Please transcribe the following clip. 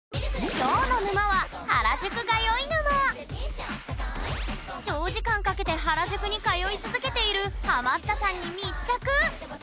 きょうの沼は長時間かけて原宿に通い続けているハマったさんに密着！